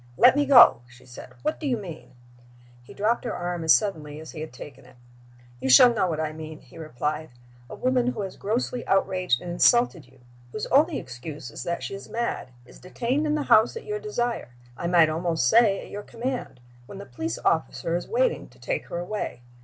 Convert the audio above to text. "Let me go!" she said. "What do you mean?" He dropped her arm as suddenly as he had taken it. "You shall know what I mean," he replied. "A woman who has grossly outraged and insulted you whose only excuse is that she is mad is detained in the house at your desire, I might almost say at your command, when the police officer is waiting to take her away.